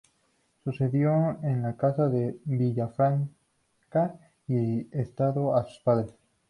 Sucedió en la Casa de Villafranca y estado a sus padres.